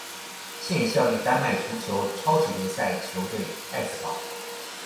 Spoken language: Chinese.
现效力丹麦足球超级联赛球队艾斯堡。